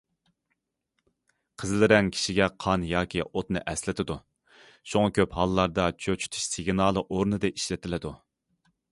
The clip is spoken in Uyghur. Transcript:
قىزىل رەڭ كىشىگە قان ياكى ئوتنى ئەسلىتىدۇ، شۇڭا كۆپ ھاللاردا چۆچۈتۈش سىگنالى ئورنىدا ئىشلىتىلىدۇ.